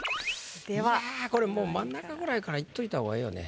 いやこれもう真ん中ぐらいから行っといた方がええよね